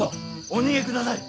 お逃げください。